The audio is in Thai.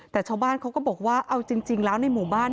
แต่ชาวบ้านเขาก็บอกว่าเอาจริงแล้วในหมู่บ้าน